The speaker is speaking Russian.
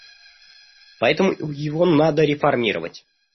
Поэтому его надо реформировать.